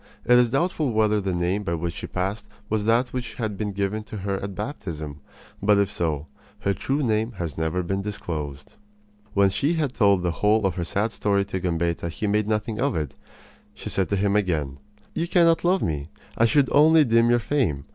It is doubtful whether the name by which she passed was that which had been given to her at baptism; but, if so, her true name has never been disclosed. When she had told the whole of her sad story to Gambetta he made nothing of it. She said to him again: "You cannot love me. I should only dim your fame.